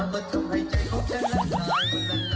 เพลง